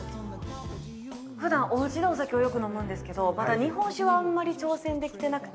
普段おうちでお酒をよく飲むんですけど、まだ日本酒はあんまり挑戦できてなくて。